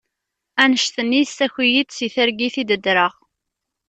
Anect-nni yessaki-yi-d seg targit i d-ddreɣ.